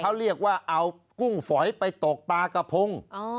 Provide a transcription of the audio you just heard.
เขาเรียกว่าเอากุ้งฝอยไปตกปลากระพง